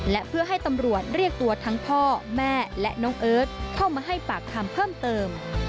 และเพื่อให้ตำรวจเรียกตัวทั้งพ่อแม่และน้องเอิร์ทเข้ามาให้ปากคำเพิ่มเติม